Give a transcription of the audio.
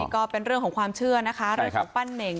ก็เป็นเรื่องของความเชื่อนะคะเรื่องของปั้นเน่ง